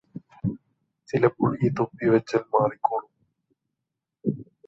ചിലപ്പോൾ ഈ തൊപ്പി വെച്ചാൽ മാറിക്കോളും